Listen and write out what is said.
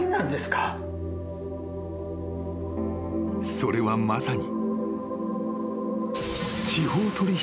［それはまさに］